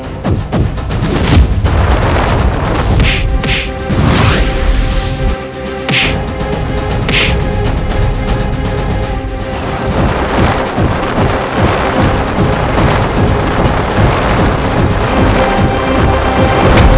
jangan ganggu dia